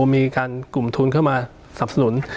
มีการกลุ่มทุนเข้ามาสนับสนุน